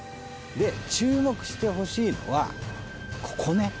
で注目してほしいのはここね。